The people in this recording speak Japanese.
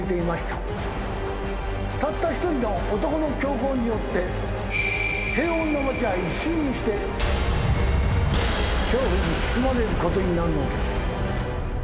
たった一人の男の凶行によって平穏な町は一瞬にして恐怖に包まれることになるのです。